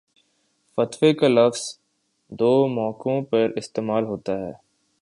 فتوے کا لفظ دو موقعوں پر استعمال ہوتا ہے